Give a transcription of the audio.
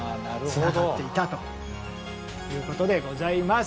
つながっていたということでございます。